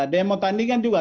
demo tandingan juga